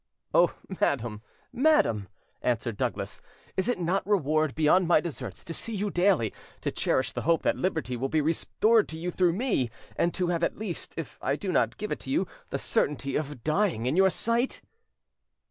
"Oh, madam, madam," answered Douglas, "is it not reward beyond my deserts to see you daily, to cherish the hope that liberty will be restored to you through me, and to have at least, if I do not give it you, the certainty of dying in your sight?"